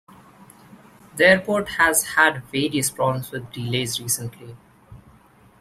The airport has had various problems with delays recently.